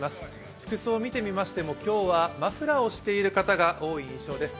服装を見てみましても今日はマフラーをしている方が多い印象です。